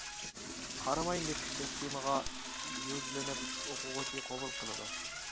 قاراماي نېفىت سىستېمىغا يۈزلىنىپ ئوقۇغۇچى قوبۇل قىلىدۇ.